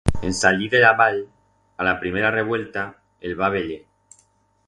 En sallir de la vall, a la primera revuelta, el va veyer.